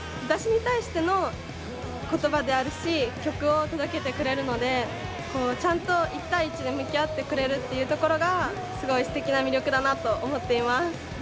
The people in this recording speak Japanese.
私に対しての言葉であるし曲を届けてくれるのでこうちゃんと一対一で向き合ってくれるっていうところがすごいすてきな魅力だなと思っています。